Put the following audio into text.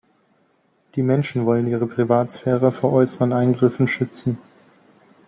Die Menschen wollen ihre Privatsphäre vor äußeren Eingriffen schützen.